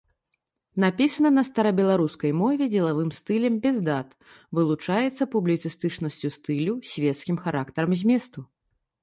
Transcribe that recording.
Напісана на старабеларускай мове дзелавым стылем без дат, вылучаецца публіцыстычнасцю стылю, свецкім характарам зместу.